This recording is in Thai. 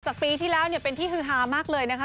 ปีที่แล้วเนี่ยเป็นที่ฮือฮามากเลยนะคะ